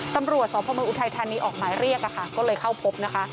ตำรวจสพเมืองอุทัยธานีออกหมายเรียกอะค่ะก็เลยเข้าพบนะคะ